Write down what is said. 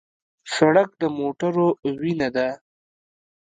سړک د موټرو وینه ده.